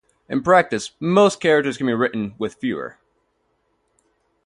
In practice, most characters can be written with fewer.